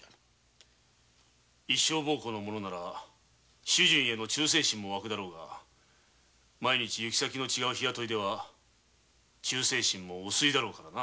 一生奉公の者なら主人への忠誠心もわくだろうが毎日行く先の違う日雇いでは忠誠心も薄いだろうからな。